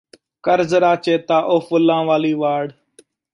ਕਰਜ਼ਰਾ ਚੇਤਾ ਉਹ ਫੁਲਾਂ ਵਾਲੀ ਵਾੜ